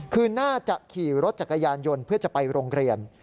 คือน่าจะขี่รถจักรยานยนต์เพื่อจะไปโรงเรียน